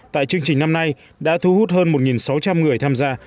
tại chương trình năm nay đã thu hút hơn một sáu trăm linh người tham gia